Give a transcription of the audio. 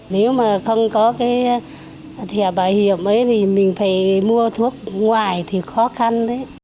nếu mà không có thẻ bảo hiểm thì mình phải mua thuốc ngoài thì khó khăn